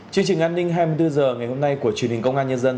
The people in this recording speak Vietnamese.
chương trình an ninh hai mươi bốn h ngày hôm nay của truyền hình công an nhân dân